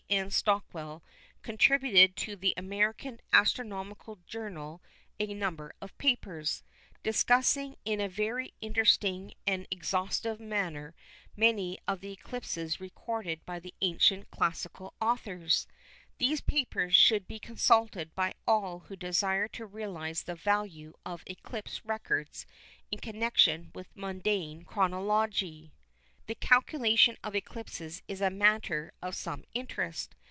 N. Stockwell contributed to the American Astronomical Journal a number of papers discussing in a very interesting and exhaustive manner many of the eclipses recorded by the ancient classical authors. These papers should be consulted by all who desire to realise the value of eclipse records in connection with mundane chronology. The calculation of eclipses is a matter of some interest.